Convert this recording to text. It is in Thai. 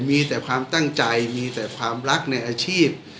มีแต่ความตั้งใจมีแต่ความรักในอาชีพ